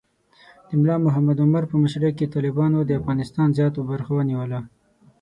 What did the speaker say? د ملا محمد عمر په مشرۍ کې طالبانو د افغانستان زیات برخه ونیوله.